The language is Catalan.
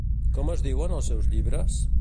Com es diuen els seus llibres?